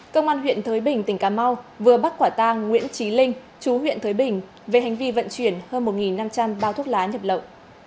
công an huyện thới bình tỉnh cà mau vừa bắt quả tang nguyễn trí linh chú huyện thới bình về hành vi vận chuyển hơn một năm trăm linh bao thuốc lá nhập lậu